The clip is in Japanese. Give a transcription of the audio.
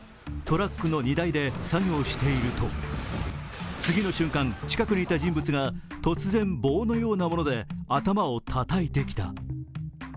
トラックの荷台で作業をしていると次の瞬間、近くにいた人物が突然、棒のようなもので頭をたたいてきた。